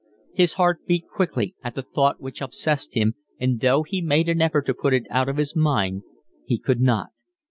His heart beat quickly at the thought which obsessed him, and though he made an effort to put it out of his mind he could not.